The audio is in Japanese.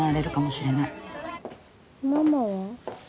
ママは？